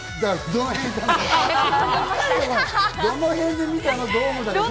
どの辺で見たの？